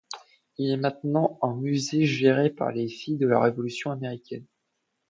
Il est maintenant un musée géré par les Filles de la Révolution Américaine.